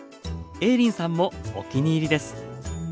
映林さんもお気に入りです。